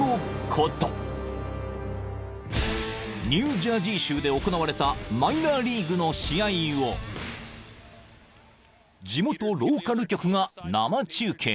［ニュージャージー州で行われたマイナーリーグの試合を地元ローカル局が生中継］